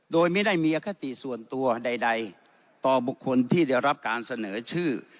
โดยไม่ได้มีอคติส่วนตัวใดต่อบุคคลที่ได้รับการเสนอชื่อ